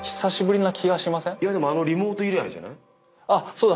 「そうだ。